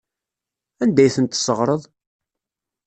Anda ay tent-tesseɣreḍ?